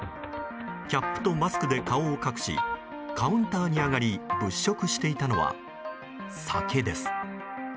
キャップとマスクで顔を隠しカウンターに上がり物色していたのは酒です。